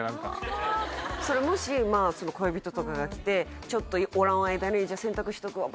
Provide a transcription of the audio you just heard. それもし恋人とかが来てちょっとおらん間に「じゃあ洗濯しとくわ」